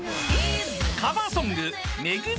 ［カバーソング］